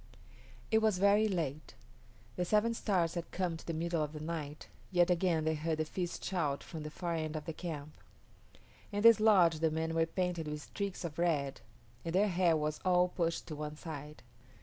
It was very late. The Seven Stars had come to the middle of the night, yet again they heard the feast shout from the far end of the camp. In this lodge the men were painted with streaks of red, and their hair was all pushed to one side.